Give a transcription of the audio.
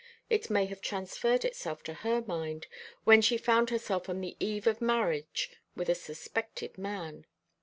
It may have transferred itself to her mind when she found herself on the eve of marriage with a suspected man.